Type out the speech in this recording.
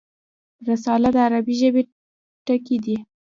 رساله د عربي ژبي ټکی دﺉ.